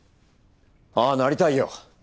ああなりたいよ。